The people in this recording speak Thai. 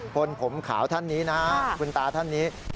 คนผมขาวท่านนี้นะครับคุณตาท่านนี้